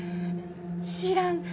知らん。